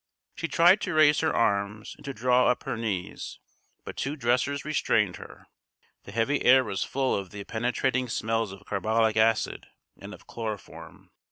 She tried to raise her arms and to draw up her knees, but two dressers restrained her. The heavy air was full of the penetrating smells of carbolic acid and of chloroform.